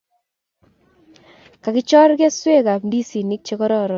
Kokichor keswek ab ndizik che kororon